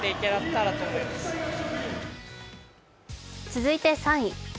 続いて３位。